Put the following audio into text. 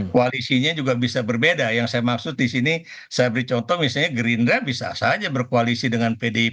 koalisinya juga bisa berbeda yang saya maksud disini saya beri contoh misalnya gerindra bisa saja berkoalisi dengan pdip